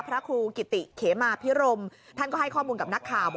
พระครูกิติเขมาพิรมท่านก็ให้ข้อมูลกับนักข่าว